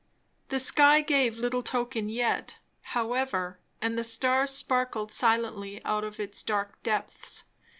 The sky gave little token yet, however; and the stars sparkled silently out of its dark depths.